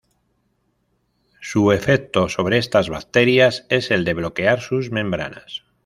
Su efecto sobre estas bacterias es el de bloquear sus membranas.